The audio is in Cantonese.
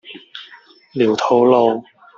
寮肚路